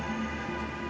aku mau berbohong sama kamu